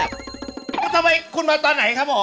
ก็ทำไมคุณมาตอนไหนกันครับผม